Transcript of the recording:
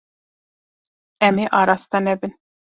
Em ê araste nebin.